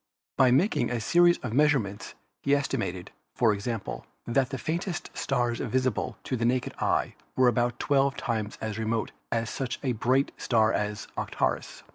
By making a series of measurements he estimated, for example, that the faintest stars visible to the naked eye were about twelve times as remote as such a bright star as Arcturus.